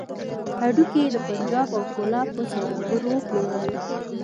هډوکي يې د پنجاب او کولاب پر سوداګرو وپلورل.